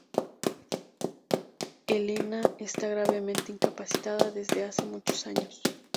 Helena está gravemente incapacitada desde hace muchos años.